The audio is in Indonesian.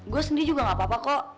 gue sendiri juga gak apa apa kok